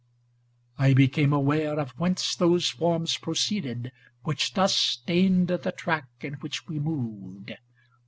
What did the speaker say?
I became aware ' Of whence those forms proceeded which thus stained The track in which we moved.